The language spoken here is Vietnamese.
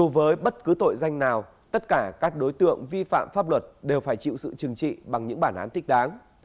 với bất cứ tội danh nào tất cả các đối tượng vi phạm pháp luật đều phải chịu sự trừng trị bằng những bản án thích đáng